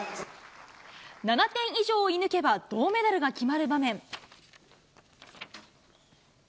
７点以上を射抜けば銅メダルが決まる場面。